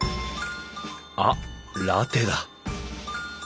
あっラテだ！